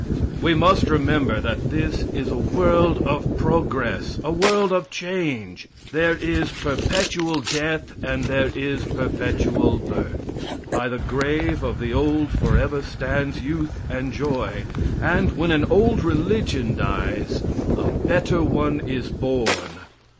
We must remember that this is a world of progress, a world of change. There is perpetual death and there is perpetual birth. By the grave of the old forever stands youth and joy; and, when an old religion dies, a better one is born.